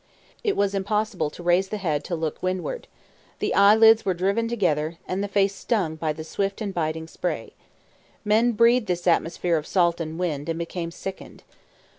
It was impossible to raise the head to look to windward. The eyelids were driven together, and the face stung by the swift and biting spray. Men breathed this atmosphere of salt and wind, and became sickened.